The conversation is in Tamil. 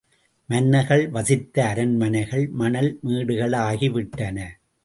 மன்னர்கள் வசித்த அரண்மனைகள் மணல் மேடுகளாகிவிட்டன.